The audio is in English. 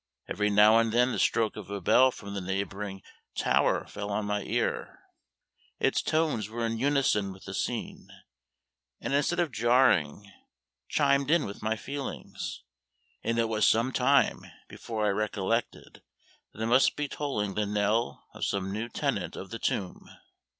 Every now and then the stroke of a bell from the neighboring tower fell on my ear; its tones were in unison with the scene, and, instead of jarring, chimed in with my feelings; and it was some time before I recollected that it must be tolling the knell of some new tenant of the tomb.